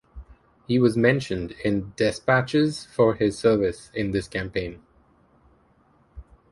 He was Mentioned in Despatches for his service in this campaign.